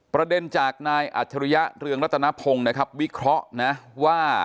ประเด็นจากนายอัจฉริยะเรืองรัตนพงศ์นะครับวิเคราะห์นะว่า